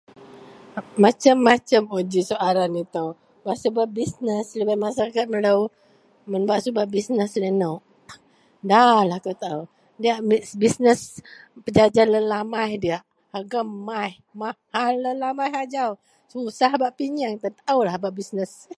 macam-macam un ji soalan itou, bak subet bisness lubeng masyarakat melou, mun bak subet bisness laie nou da lah akou taau, diyak bisness pejaja lelamas diyak harga mas, mahal lalamas ajau susah bak peyieng, dataaulah bak bisness